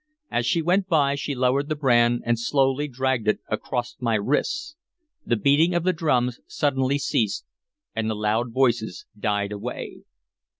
As she went by she lowered the brand and slowly dragged it across my wrists. The beating of the drums suddenly ceased, and the loud voices died away.